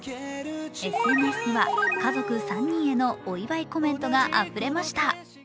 ＳＮＳには、家族３人へのお祝いコメントがあふれました。